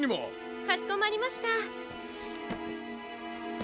かしこまりました。